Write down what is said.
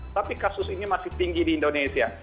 tapi kasus ini masih tinggi di indonesia